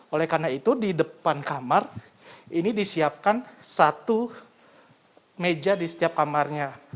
oleh karena itu di depan kamar ini disiapkan satu meja di setiap kamarnya